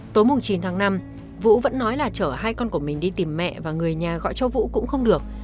tối chín tháng năm vũ vẫn nói là chở hai con của mình đi tìm mẹ và người nhà gọi cho vũ cũng không được